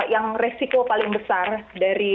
yang resiko paling besar dari